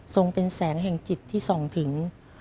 เป็นแสงแห่งจิตที่ส่องถึง